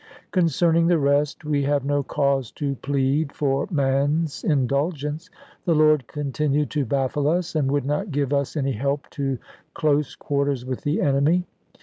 Concerning the rest, we have no cause to plead for man's indulgence. The Lord continued to baffle us, and would not give us any help to close quarters with the enemy.